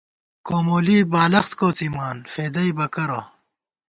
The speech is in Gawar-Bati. کومولی بالخت کوڅِما فېدَئیبہ کرہ